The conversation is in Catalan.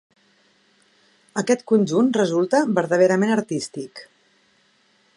Aquest conjunt resulta vertaderament artístic.